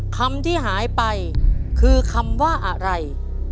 คำที่หายไปคือคำว่าอะไร